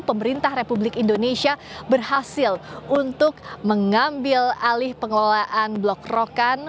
pemerintah republik indonesia berhasil untuk mengambil alih pengelolaan blok rokan